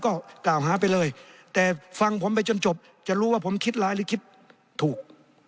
ก็กล่าวหาไปเลยแต่ฟังผมไปจนจบจะรู้ว่าผมคิดร้ายหรือคิดถูก